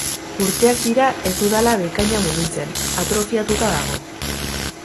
Urteak dira ez dudala bekaina mugitzen, atrofiatuta dago.